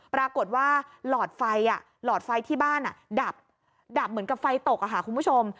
ปรากฏว่าหลอดไฟหลอดไฟที่บ้านดับเหมือนกับไฟตกค่ะคุณผู้ชม